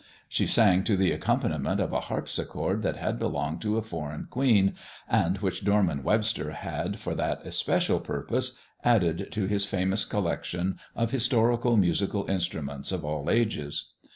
She sang to the accompaniment of a harpsichord that had belonged to a foreign queen, and which Dorman Webster had, for that especial purpose, added to his famous collection of historical musical instruments of all ages.